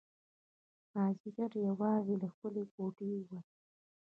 مازیګر یوازې له خپلې کوټې ووتم.